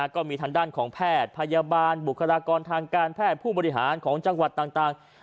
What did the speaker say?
ก็มีด้านของแพทย์คบริหารจังหวัดต่าง